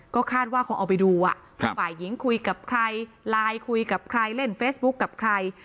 ก็คาดว่าคงเอาไปดูว่าฝ่ายหญิงคุยกับใครไลน์คุยกับใครเล่นเฟซบุ๊คกับใคร